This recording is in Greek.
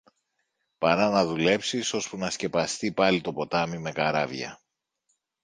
παρά να δουλέψεις ώσπου να σκεπαστεί πάλι το ποτάμι με καράβια.